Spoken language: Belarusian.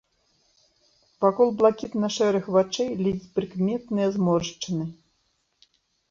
Вакол блакітна-шэрых вачэй ледзь прыкметныя зморшчыны.